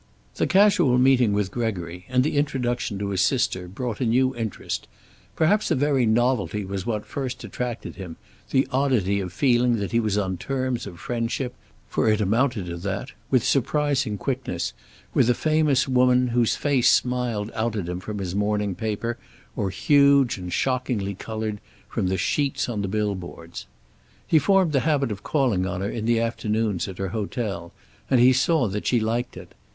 The casual meeting with Gregory and the introduction to his sister brought a new interest. Perhaps the very novelty was what first attracted him, the oddity of feeling that he was on terms of friendship, for it amounted to that with surprising quickness, with a famous woman, whose face smiled out at him from his morning paper or, huge and shockingly colored, from the sheets on the bill boards. He formed the habit of calling on her in the afternoons at her hotel, and he saw that she liked it.